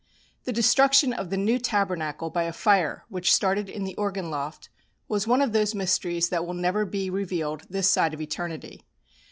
The destruction of the New Tabernacle by a fire which started in the organ loft was one of these mysteries that will never be revealed this side of eternity.